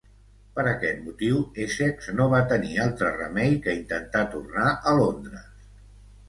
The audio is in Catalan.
Per aquest motiu, Essex no va tenir altre remei que intentar tornar a Londres.